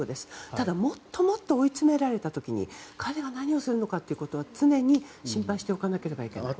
ただ、もっともっと追い詰められた時に彼が何をするかは常に心配しておかなければいけない。